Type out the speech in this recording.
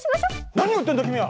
何を言ってるんだ君は！